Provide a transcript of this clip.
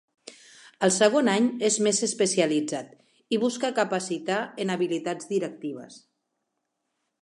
El segon any, és més especialitzat i busca capacitar en habilitats directives.